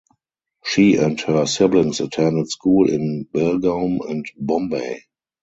She and her siblings attended school in Belgaum and Bombay.